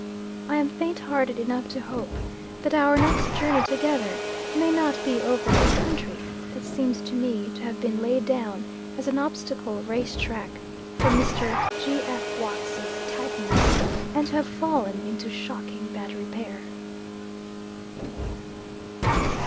I am faint hearted enough to hope, that our next journey together, may not be over a country that seems to me to have been laid down as an obstacle race track for Mr. G. F. Watts's Titans, and to have fallen into shocking bad repair.